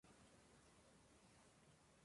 Varias versiones han sido creadas de esta canción.